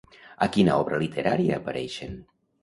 A quina obra literària apareixen?